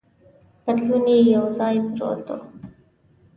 پتلون یې یو ځای پروت و.